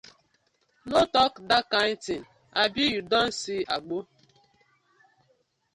No tok dat kind tin, abi yu don see Agbor?